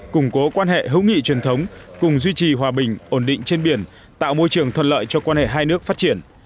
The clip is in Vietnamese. củng cố quan hệ hữu nghị truyền thống cùng duy trì hòa bình ổn định trên biển tạo môi trường thuận lợi cho quan hệ hai nước phát triển